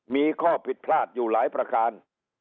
มีข้อผิดพลาดอยู่หลายประการ